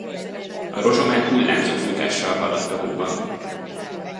A rozsomák hullámzó futással haladt a hóban.